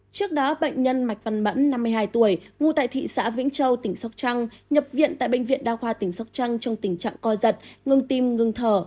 trước đó bệnh nhân mạch văn mẫn năm mươi hai tuổi ngủ tại thị xã vĩnh châu tỉnh sóc trăng nhập viện tại bệnh viện đa khoa tỉnh sóc trăng trong tình trạng coi giật ngưng tim ngưng thở